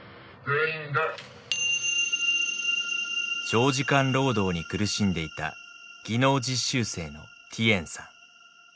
長時間労働に苦しんでいた技能実習生のティエンさん。